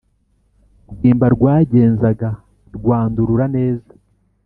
rwimba rwagenzaga rwandurura neza